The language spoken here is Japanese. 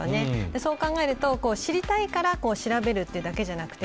そう考えると知りたいから調べるというだけじゃなくて